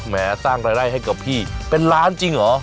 แม้สร้างรายได้ให้กับพี่เป็นล้านจริงเหรอ